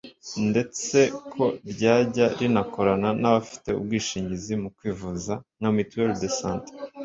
ndetse ko ryajya rinakorana n’abafite ubwishingizi mu kwivuza nka Mutuelle de santé